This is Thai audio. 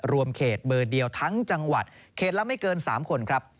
เขตเบอร์เดียวทั้งจังหวัดเขตละไม่เกิน๓คนครับ